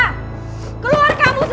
keluar kamu sembara